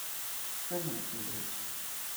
Что я могу поделать?